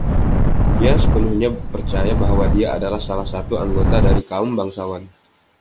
Dia sepenuhnya percaya bahwa dia adalah salah satu anggota dari kaum bangsawan!